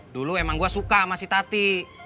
dulu emang gue suka sama si tati